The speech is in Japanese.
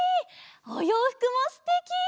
おようふくもすてき！